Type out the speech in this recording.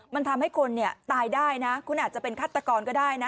มันทำให้คนตายได้นะคุณอาจจะเป็นฆาตกรก็ได้นะ